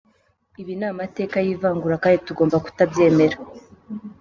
Ibi ni amateka y’ivangura kandi tugoma kutabyemera.